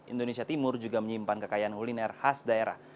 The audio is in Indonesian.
indonesia timur juga menyimpan kekayaan kuliner khas daerah